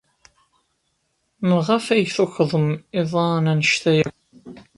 Maɣef ay tukḍem iḍan anect-a akk?